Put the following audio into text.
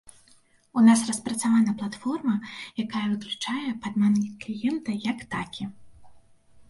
У нас распрацавана платформа, якая выключае падман кліента як такі.